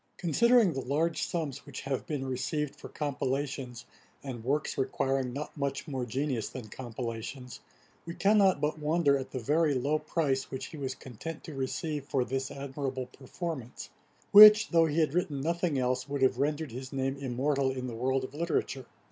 ] Considering the large sums which have been received for compilations, and works requiring not much more genius than compilations, we cannot but wonder at the very low price which he was content to receive for this admirable performance; which, though he had written nothing else, would have rendered his name immortal in the world of literature.